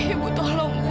ibu tolong bu